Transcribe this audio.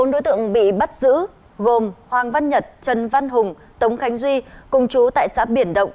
bốn đối tượng bị bắt giữ gồm hoàng văn nhật trần văn hùng tống khánh duy cùng chú tại xã biển động